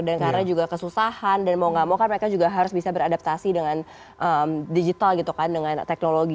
dan karena juga kesusahan dan mau nggak mau kan mereka juga harus bisa beradaptasi dengan digital gitu kan dengan teknologi